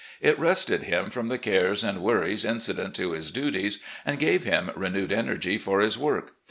It rested him from the cares and worries incident to his duties, and gave him renewed energy for his work.